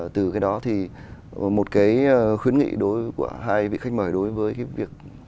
từ cái đó thì một cái khuyến nghị đối với hai vị khách mời đối với cái việc